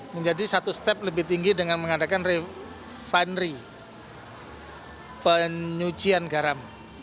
menjadi satu step lebih tinggi dengan mengadakan refinery penyucian garam